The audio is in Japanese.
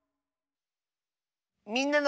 「みんなの」。